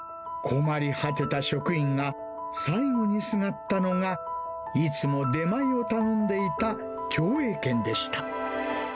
困り果てた職員が、最後にすがったのがいつも出前を頼んでいた共栄軒でした。